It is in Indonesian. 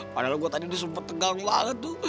padahal gue tadi disempet tegang banget tuh